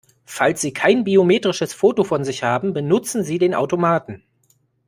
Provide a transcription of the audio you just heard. Falls Sie kein biometrisches Foto von sich haben, benutzen Sie den Automaten!